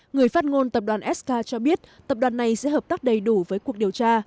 người phát ngôn tập đoàn sk cho biết tập đoàn này sẽ hợp tác đầy đủ với cuộc điều tra